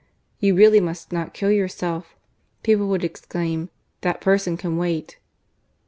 " You really must not kill yourself," people would exclaim; "that person can wait."